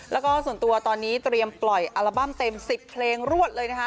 แล้วก็ส่วนตัวตอนนี้เตรียมปล่อยอัลบั้มเต็ม๑๐เพลงรวดเลยนะคะ